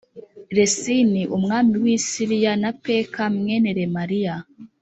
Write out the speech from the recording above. resini umwami w i siriya na peka mwene remaliya